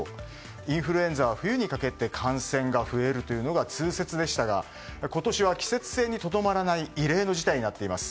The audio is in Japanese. インフルエンザは冬にかけて感染が増えるというのが通説でしたが今年は季節性にとどまらない異例の事態になっています。